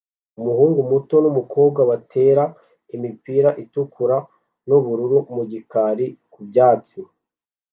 Umuhungu muto numukobwa batera imipira itukura nubururu mu gikari ku byatsi